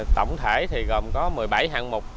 tổng thể thì gồm có một mươi bảy hạng mục